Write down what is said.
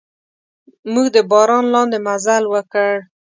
موږ د باران لاندې مزل وکړ.